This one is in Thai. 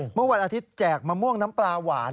เมื่อวันอาทิตย์แจกมะม่วงน้ำปลาหวาน